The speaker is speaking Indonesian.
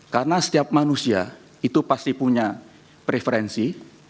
karena setiap manusia itu pasti punya preferensi